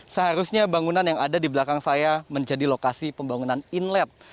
seharusnya bangunan yang ada di belakang saya menjadi lokasi pembangunan inlet